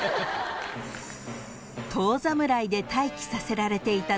［遠侍で待機させられていた］